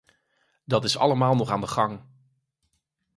Dat is allemaal nog aan de gang.